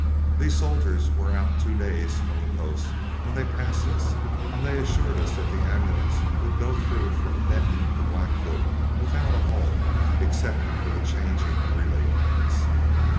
These soldiers were out two days from the post when they passed us, and they assured us that the ambulance would go through from Benton to Blackfoot without a halt, except for the changing of relay teams.